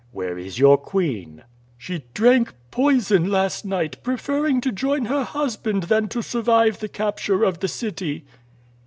"Where is your queen?" "She drank poison last night, preferring to join her husband than to survive the capture of the city."